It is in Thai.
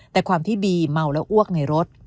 แต่ความที่บีเมาแล้วอ้วกในรถ